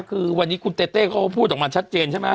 คือวันนี้คุณเต้เขาพูดออกมาชัดเจนใช่มะ